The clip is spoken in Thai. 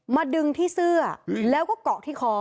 ดึงที่เสื้อแล้วก็เกาะที่คอ